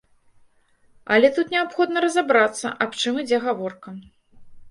Але тут неабходна разабрацца, аб чым ідзе гаворка.